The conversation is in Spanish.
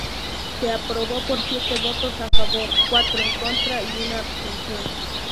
Se aprobó por siete votos a favor, cuatro en contra y una abstención.